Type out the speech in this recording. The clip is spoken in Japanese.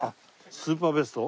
スーパーベスト？